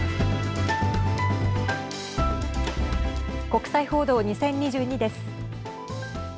国際報道２０２２です。